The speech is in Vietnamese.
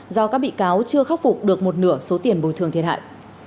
do các bị cáo chưa khắc phục được một nửa số tiền bồi thường thiệt hại